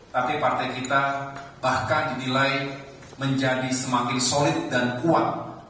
tapi partai kita bahkan dinilai menjadi semakin solid dan kuat